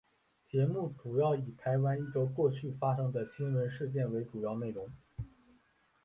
节目主要以台湾一周过去发生的新闻事件为主要内容。